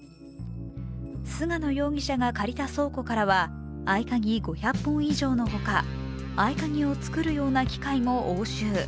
菅野容疑者が借りた倉庫からは合い鍵５００本以上のほか合い鍵を作るような機械も押収。